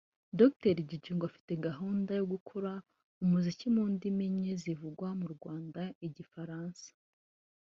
Dr Jiji ngo afite gahunda yo gukora umuziki mu ndimi enye zivugwa mu Rwanda Igifaransa